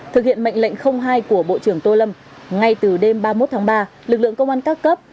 thực hiện mệnh lệnh hai của bộ trưởng tô lâm ngay từ đêm ba mươi một tháng ba lực lượng công an các cấp